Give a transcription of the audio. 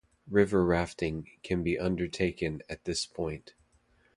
River rafting can be undertaken at this point.